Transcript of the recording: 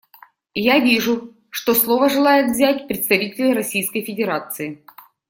Я вижу, что слово желает взять представитель Российской Федерации.